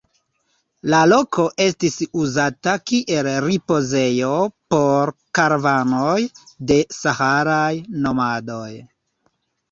La loko estis uzata kiel ripozejo por karavanoj de saharaj nomadoj.